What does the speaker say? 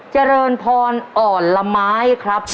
เจริญพรอ่อนละไม้ครับ